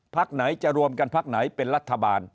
ไหนจะรวมกันพักไหนเป็นรัฐบาล